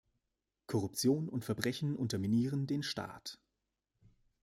Korruption und Verbrechen unterminieren den Staat.